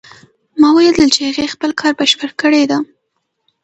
ما ولیدل چې هغې خپل کار بشپړ کړی ده